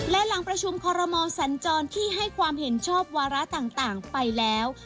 และหลังประชุมคอรมอสัญจรที่ให้ความเห็นชอบวาระต่างไปแล้ว